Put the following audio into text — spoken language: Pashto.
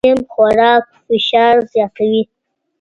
ناسم خوراک فشار زیاتوي.